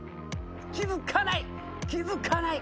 気付かない。